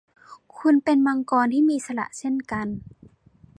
คุณเป็นมังกรที่มีอิสระเช่นกัน